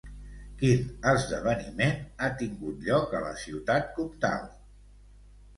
Quin esdeveniment ha tingut lloc a la Ciutat Comtal?